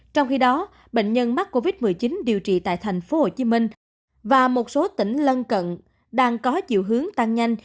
trong khi đó bệnh nhân mắc covid một mươi chín điều trị tại tp hcm và một số tỉnh lân cận đang có chiều hướng tăng nhanh